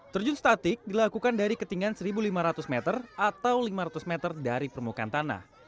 terjun statik dilakukan dari ketinggian satu lima ratus meter atau lima ratus meter dari permukaan tanah